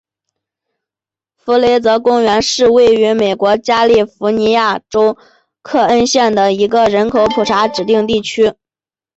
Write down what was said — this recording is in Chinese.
弗雷泽公园是位于美国加利福尼亚州克恩县的一个人口普查指定地区。